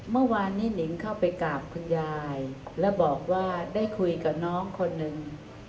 เมื่อวานนี้หนิงเข้าไปกราบคุณยายแล้วบอกว่าได้คุยกับน้องคนหนึ่ง